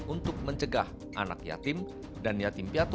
untuk mencegah anak yatim dan yatim piatu